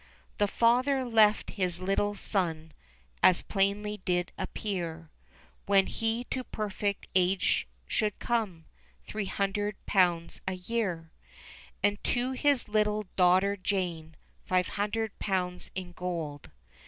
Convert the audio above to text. The father left his little son, As plainly did appear, When he to perfect age should come, Three hundred pounds a year ; And to his little daughter Jane Five hundred pounds in gold.